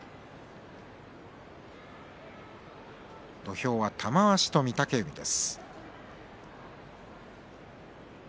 土俵は玉鷲と御嶽海です。